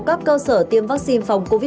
các cơ sở tiêm vaccine phòng covid một mươi